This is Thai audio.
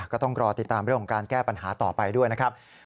ก็ต้องรอติดตามเรื่องของการแก้ปัญหาต่อไปด้วยนะครับ